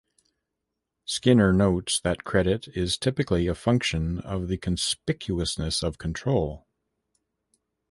Skinner notes that credit is typically a function of the conspicuousness of control.